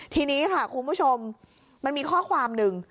ทีนี้ค่ะคุณผู้ชมมันมีข้อความหนึ่ง